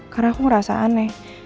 karena aku merasa aneh